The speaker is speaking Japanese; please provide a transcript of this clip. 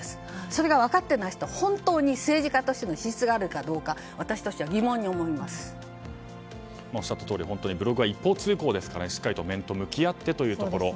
それが分かってない人は本当に政治家としての資質があるかどうかおっしゃったとおりブログは一方通行ですからしっかりと面と向き合ってというところ。